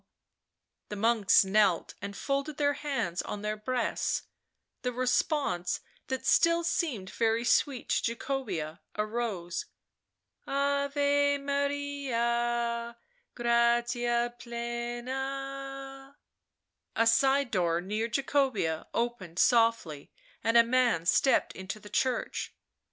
The monks knelt and folded their hands on their breasts; the response that still seemed very sweet to Jacobea arose: " Ave Maria, gratia plena " A side door near Jacobea opened softly and a man stepped into the church.